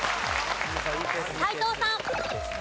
斎藤さん。